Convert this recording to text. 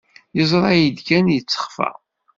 Yeẓra-yi-d kan, yettexfa.